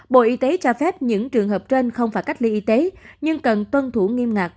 bộ y tế cho phép những trường hợp trên không phải cách ly y tế nhưng cần tuân thủ nghiêm ngặt